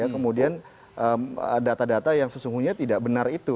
kemudian data data yang sesungguhnya tidak benar itu